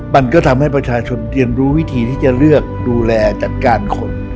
มันก็ทำให้ประชาชนเรียนรู้วิธีที่จะเลือกดูแลจัดการคน